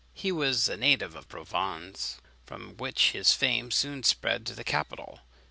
He was a native of Provence, from which place his fame soon spread to the capital.